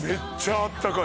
あったかい。